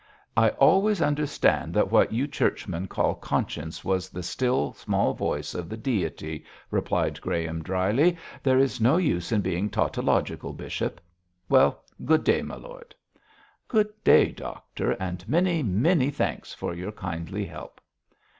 'I always understood that what you Churchmen call conscience was the still small voice of the Deity,' replied Graham, drily; 'there is no use in being tautological, bishop. Well, good day, my lord.' 'Good day, doctor, and many, many thanks for your kindly help.'